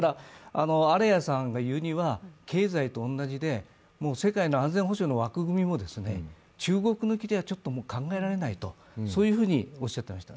荒谷さんが言うには経済と同じで、世界の安全保障の枠組みも中国抜きではちょっともう考えられないとおっしゃっていました。